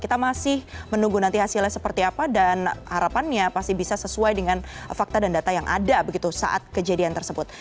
kita masih menunggu nanti hasilnya seperti apa dan harapannya pasti bisa sesuai dengan fakta dan data yang ada begitu saat kejadian tersebut